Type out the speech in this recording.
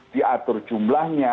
kita atur jumlahnya